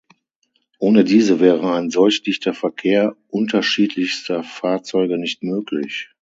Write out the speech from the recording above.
Ohne diese wäre ein solch dichter Verkehr unterschiedlichster Fahrzeuge nicht möglich.